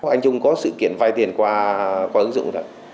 anh trung có sự kiện vay tiền qua ứng dụng rồi